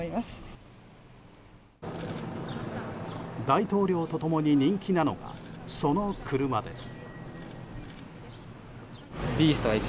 大統領と共に人気なのがその車です。